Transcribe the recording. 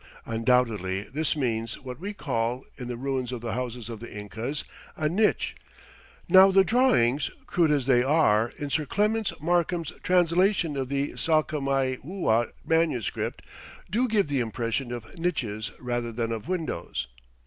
Undoubtedly this means what we call, in the ruins of the houses of the Incas, a niche. Now the drawings, crude as they are, in Sir Clements Markham's translation of the Salcamayhua manuscript, do give the impression of niches rather than of windows.